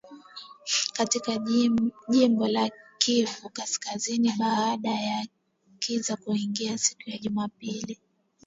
katika jimbo la Kivu kaskazini baada ya kiza kuingia siku ya Jumapili